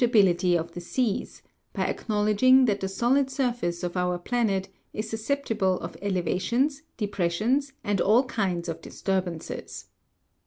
lability of the seas, by acknowledging that the solid surface of our planet is susceptible of elevations, depressions, and all kinds of disturbances.